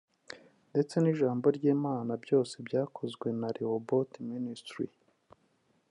ndetse n’ijambo ry’Imana byose byakozwe na Rehoboth Ministries